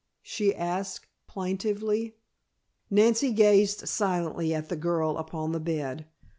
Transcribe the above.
she asked plaintively. Nancy gazed silently at the girl upon the bed.